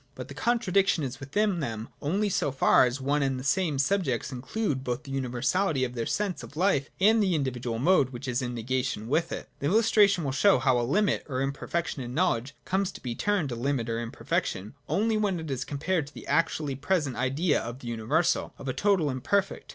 But the contradic tion is within them, only in so far as one and the same subject includes both the universality of their sense of 6o.J CRITICISM OF KANT'S POSITION. 1 1 7 life, and the individual mode which is in negation with it. This illustration will show how a limit or imperfec tion in knowledge comes to be termed a limit or imper fection, only when it is compared with the actually present Idea of the universal, of a total and perfect.